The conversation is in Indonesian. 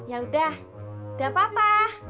ya udah udah papa